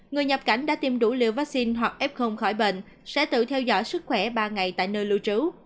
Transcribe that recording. người nhập cảnh đã tiêm đủ liều vaccine hoặc f khỏi bệnh sẽ tự theo dõi sức khỏe ba ngày tại nơi lưu trú